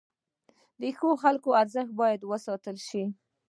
د ښو خلکو ارزښت باید وساتل شي.